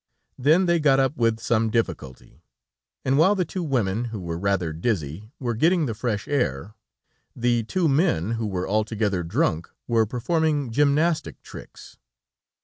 Then they got up with some difficulty, and while the two women, who were rather dizzy, were getting the fresh air, the two men, who were altogether drunk, were performing gymnastic tricks.